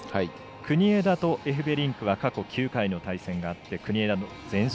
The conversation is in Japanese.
国枝とエフベリンクは過去９回の対戦があって国枝の全勝。